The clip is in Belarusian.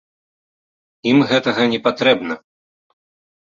Ім гэтага не патрэбна.